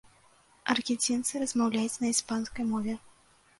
Аргенцінцы размаўляюць на іспанскай мове.